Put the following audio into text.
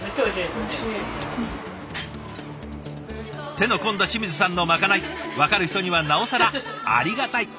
手の込んだ清水さんのまかない分かる人にはなおさらありがたい。